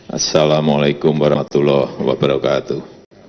assalamu'alaikum warahmatullahi wabarakatuh